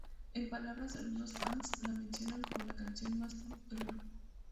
En palabras de algunos fans, la mencionan como la canción "más pop" del grupo.